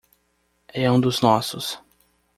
É um dos nossos